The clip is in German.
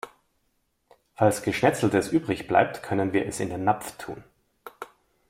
Falls Geschnetzeltes übrig bleibt, können wir es in den Napf tun.